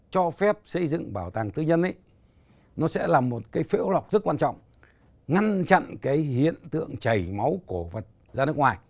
cho phép xây dựng bảo tàng tư nhân ấy nó sẽ là một cái phễu lọc rất quan trọng ngăn chặn cái hiện tượng chảy máu cổ vật ra nước ngoài